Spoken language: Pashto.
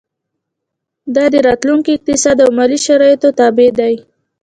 دا د راتلونکو اقتصادي او مالي شرایطو تابع دي.